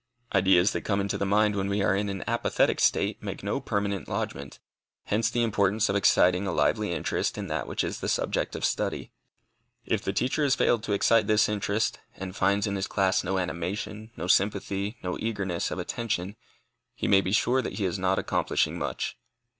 Ideas that come into the mind when we are in an apathetic state, make no permanent lodgment. Hence the importance of exciting a lively interest in that which is the subject of study. If the teacher has failed to excite this interest, and finds in his class no animation, no sympathy, no eagerness of attention, he may be sure that he is not accomplishing much.